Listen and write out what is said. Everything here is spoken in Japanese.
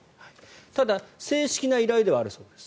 ただ正式な依頼ではあるそうです。